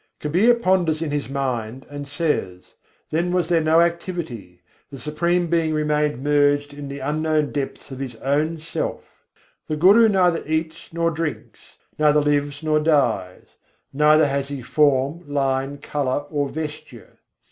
Kabîr ponders in his mind and says, "Then was there no activity: the Supreme Being remained merged in the unknown depths of His own self." The Guru neither eats nor drinks, neither lives nor dies: Neither has He form, line, colour, nor vesture.